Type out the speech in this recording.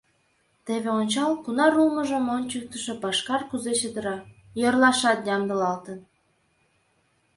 Теве ончал, кунар улмыжым ончыктышо пашкар кузе чытыра, йӧрлашат ямдылалтын.